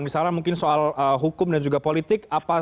misalnya mungkin soal hukum dan juga politik